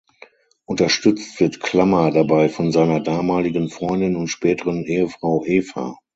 Unterstützt wird Klammer dabei von seiner damaligen Freundin und späteren Ehefrau Eva.